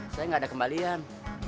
saya gak ada kembalian